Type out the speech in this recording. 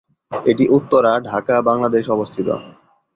এটি উত্তরা, ঢাকা, বাংলাদেশ অবস্থিত।